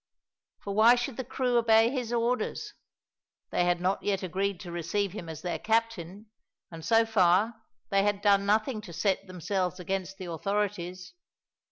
For why should the crew obey his orders? They had not yet agreed to receive him as their captain, and, so far, they had done nothing to set themselves against the authorities.